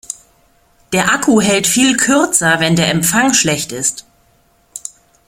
Der Akku hält viel kürzer, wenn der Empfang schlecht ist.